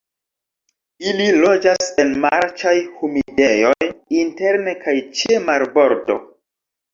Ili loĝas en marĉaj humidejoj interne kaj ĉe marbordo.